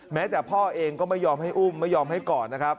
แม้แต่พ่อเองก็ไม่ยอมให้อุ้มไม่ยอมให้กอดนะครับ